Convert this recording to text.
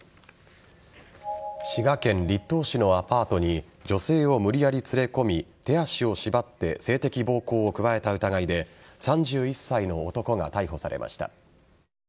滋賀県栗東市のアパートに女性を無理やり連れ込み手足を縛って性的暴行を加えた疑いで３１歳の男が逮捕されました。